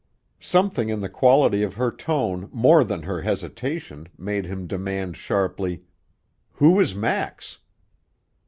Something in the quality of her tone more than her hesitation made him demand sharply: "Who is Max?"